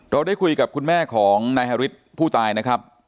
ได้คุยกับคุณแม่ของนายฮาริสผู้ตายนะครับ